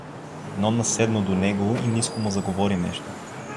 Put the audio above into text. Нона седна до него и ниско му заговори нещо.